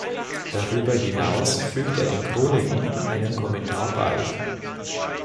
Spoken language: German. Darüber hinaus fügte er den "Chroniken" einen Kommentar bei.